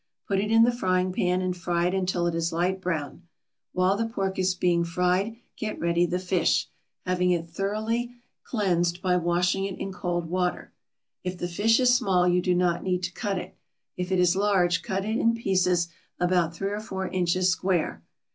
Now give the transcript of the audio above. Put it in the frying pan and fry it until it is light brown. While the pork is being fried get ready the fish, having it thoroughly cleaned by washing it in cold water. If the fish is small you do not need to cut it; if it is large, cut it in pieces about three or four inches square.